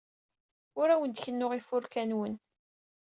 Ur awen-d-kennuɣ ifurka-nwen.